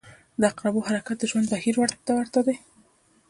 • د عقربو حرکت د ژوند بهیر ته ورته دی.